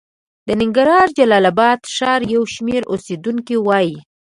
د ننګرهار د جلال اباد ښار یو شمېر اوسېدونکي وايي